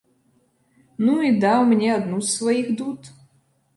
Ну, і даў мне адну з сваіх дуд.